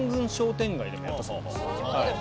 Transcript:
でもやったそうです。